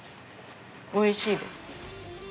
おいしいです。